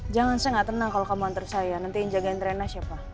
jangan saya gak tenang kalau kamu antar saya nanti yang jagain trennya siapa